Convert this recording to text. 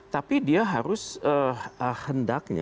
tapi dia harus hendaknya